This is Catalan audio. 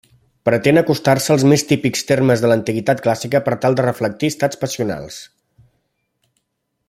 Pretén acostar-se als més típics termes de l'antiguitat clàssica per tal de reflectir estats passionals.